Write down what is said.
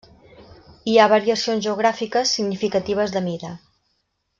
Hi ha variacions geogràfiques significatives de mida.